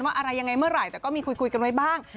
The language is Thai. อะไรยังไงเมื่อไหร่แต่ก็มีคุยกันไว้บ้าง